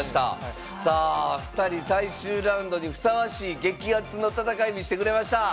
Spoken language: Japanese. ２人、最終ラウンドにふさわしい激熱の戦い見せてくれました。